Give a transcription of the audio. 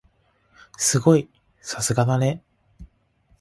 すごい！さすがだね。